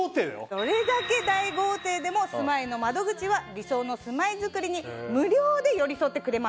どれだけ大豪邸でも住まいの窓口は理想の住まいづくりに無料で寄り添ってくれます。